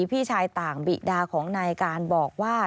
พี่ชายต่างบิดาของนายการบอกว่า